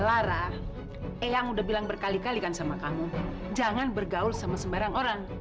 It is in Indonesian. lara eyang udah bilang berkali kali kan sama kamu jangan bergaul sama sembarang orang